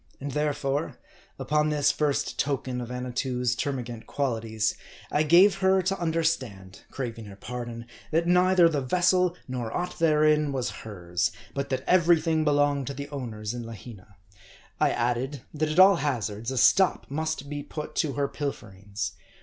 And therefore, upon this first token of Annatoo's termagant qualities, I gave her to under stand craving her pardon that neither the vessel nor aught therein was hers ; but that every thing belonged to the owners in Lahina. I added, that at all hazards, a stop must be put to her pilferings.